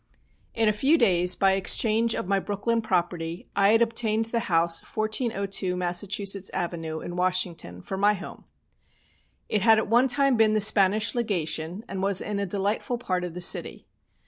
In a few days, by exchange of my Brooklyn property, I had obtained the house 1402 Massachusetts Avenue, in Washington, for my home. It had at one time been the Spanish Legation, and was in a delightful part of the city.